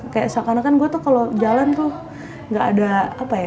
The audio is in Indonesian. kayak seakan akan gue tuh kalau jalan tuh gak ada apa ya